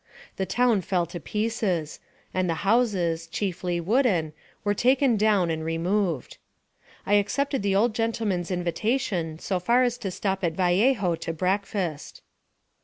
The town fell to pieces, and the houses, chiefly wooden, were taken down and removed. I accepted the old gentleman's invitation so far as to stop at Vallejo to breakfast.